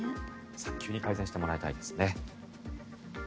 早急に改善してもらいたいですね。